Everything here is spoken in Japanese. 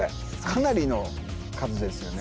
かなりの数ですよね。